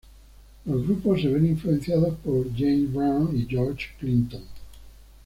Los grupos se ven influenciados por James Brown y George Clinton.